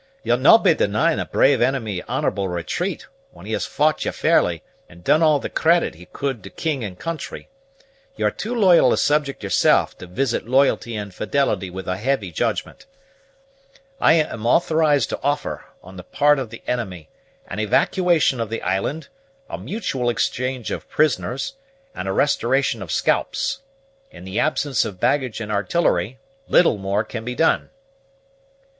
You'll no' be denying a brave enemy honorable retreat, when he has fought ye fairly, and done all the credit he could to king and country. Ye are too loyal a subject yourself to visit loyalty and fidelity with a heavy judgment. I am authorized to offer, on the part of the enemy, an evacuation of the island, a mutual exchange of prisoners, and a restoration of scalps. In the absence of baggage and artillery, little more can be done."